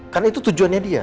karena itu tujuannya dia